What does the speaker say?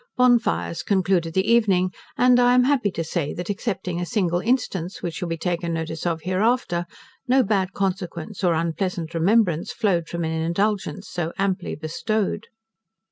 Bonfires concluded the evening, and I am happy to say, that excepting a single instance which shall be taken notice of hereafter, no bad consequence, or unpleasant remembrance, flowed from an indulgence so amply bestowed.